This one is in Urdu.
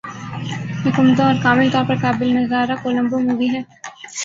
ایک عمدہ اور کامل طور پر قابل نظارہ کولمبو مووی ہے